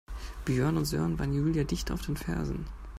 Björn und Sören waren Julia dicht auf den Fersen.